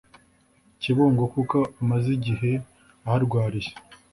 kibungo kuko amaze igihe aharwariye